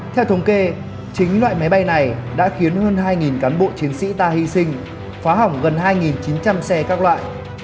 theo thống kê chính loại máy bay này đã khiến hơn hai cán bộ chiến sĩ ta hy sinh phá hỏng gần hai chín trăm linh xe các loại